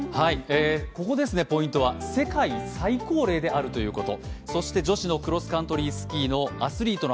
ここですね、ポイントは世界最高齢であるということ。